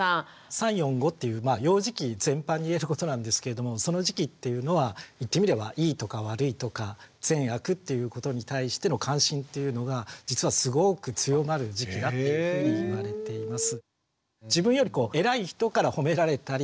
３４５っていう幼児期全般に言えることなんですけれどもその時期っていうのは言ってみればいいとか悪いとか善悪っていうことに対しての関心っていうのが実はすごく強まる時期だっていうふうにいわれています。